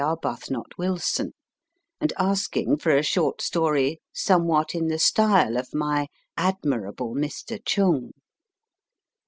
Arbuthnot Wilson, and asking for a short story somewhat in the style of my admirable Mr. Chung.